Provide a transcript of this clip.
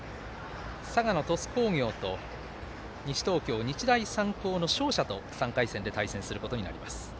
佐賀の鳥栖工業と西東京、日大三高の勝者と３回戦で対戦することになります。